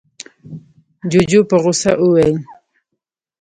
جُوجُو په غوسه وويل: